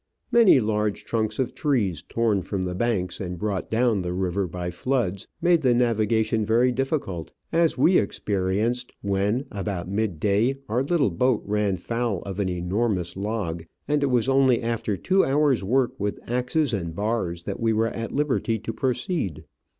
Many large trunks of trees torn from the banks and brought down the river by floods made the navi gation very difficult, as we experienced when, about mid day, our little boat ran foul of an enormous log, and it was only after two hours' work with axes and bars that we were at liberty to proceed.